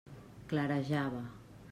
Clarejava.